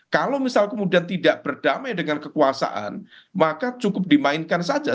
kalau misal kemudian tidak berdamai dengan kekuasaan maka cukup dimainkan saja